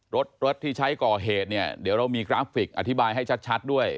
รถรถที่ใช้ก่อเหตุเนี่ยเดี๋ยวเรามีกราฟิกอธิบายให้ชัดด้วย